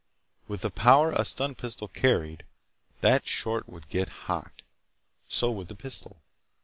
With the power a stun pistol carried, that short would get hot. So would the pistol.